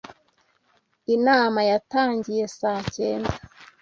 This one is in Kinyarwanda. Inama yatangiye saa cyenda.